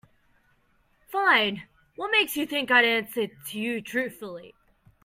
Fine, what makes you think I'd answer you truthfully?